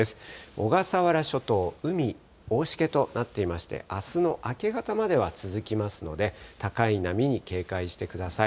小笠原諸島、海、大しけとなっていまして、あすの明け方までは続きますので、高い波に警戒してください。